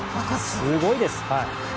すごいです。